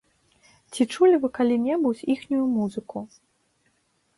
Ці чулі вы калі-небудзь іхнюю музыку?